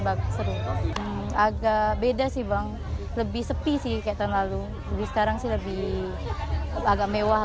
bagus agak beda sih bang lebih sepi sih kayak tahun lalu lebih sekarang sih lebih agak mewah